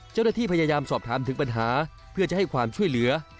เจ้าหน้าที่พยายามสอบถามถึงปัญหาเพื่อจะให้ความช่วยเหลือ